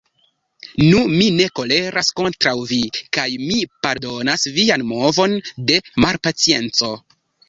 Nu, mi ne koleras kontraŭ vi, kaj mi pardonas vian movon de malpacienco.